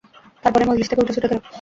তারপরই মজলিস থেকে উঠে ছুটে এল।